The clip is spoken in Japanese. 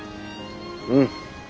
うん。